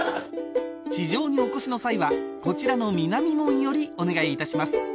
市場にお越しの際はこちらの南門よりお願いいたします。